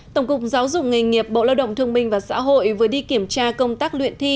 tổng cục giáo dục nghề nghiệp bộ lao động thương minh và xã hội vừa đi kiểm tra công tác luyện thi